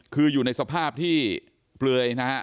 คืออยู่ในสภาพที่เปลือยนะฮะ